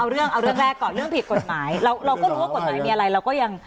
เอาเรื่องแรกก่อนเรื่องผิดกฎหมายเราก็รู้ว่ากฎหมายมีอะไร